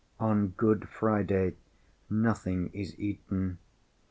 On Good Friday nothing is eaten.